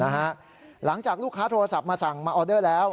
หลังจากลูกค้าโทรศัพท์มาสั่งมาออเดอร์แล้ว